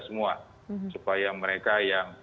semua supaya mereka yang